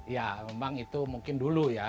ya memang itu mungkin dulu ya